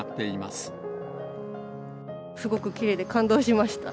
すごくきれいで感動しました。